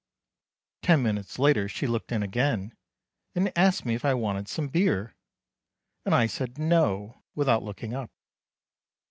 Ten minutes later she looked in again and asked me if I wanted some beer, and I said "No," without looking up.